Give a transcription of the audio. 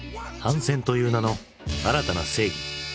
反戦という名の新たな正義。